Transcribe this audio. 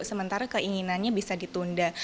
sementara keinginannya bisa ditunda